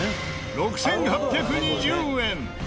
６８２０円。